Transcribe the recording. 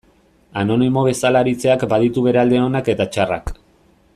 Anonimo bezala aritzeak baditu bere alde onak eta txarrak.